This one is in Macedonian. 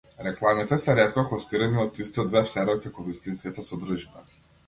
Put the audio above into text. Рекламите се ретко хостирани од истиот веб-сервер како вистинската содржина.